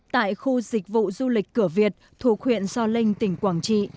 tại khu dịch vụ du lịch cửa việt thuộc huyện gio linh tỉnh quảng trị